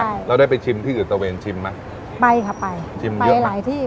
ใช่เราได้ไปชิมที่อื่นตะเวนชิมไหมไปค่ะไปชิมไปไปหลายที่